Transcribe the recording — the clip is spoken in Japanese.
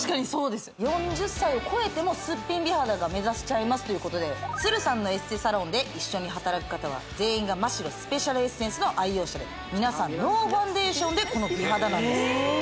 はい４０歳を超えてもスッピン美肌が目指せちゃいますということでさんのエステサロンで一緒に働く方は全員がマ・シロスペシャルエッセンスの愛用者で皆さんノーファンデーションでこの美肌なんですええ